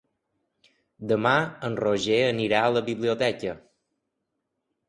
Demà en Roger anirà a la biblioteca.